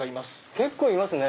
結構いますね。